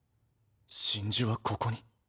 真珠はここに？